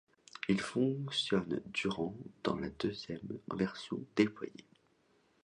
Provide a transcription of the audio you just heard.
Il fonctionne durant dans la deuxième version déployée.